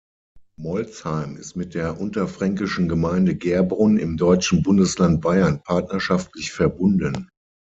Molsheim ist mit der unterfränkischen Gemeinde Gerbrunn im deutschen Bundesland Bayern partnerschaftlich verbunden.